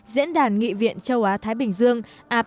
diễn đàn nghị viện châu á thái bình dương